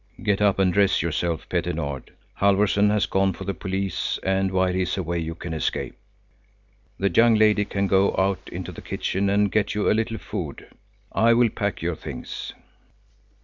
"Get up and dress yourself, Petter Nord! Halforson has gone for the police, and while he is away you can escape. The young lady can go out into the kitchen and get you a little food. I will pack your things."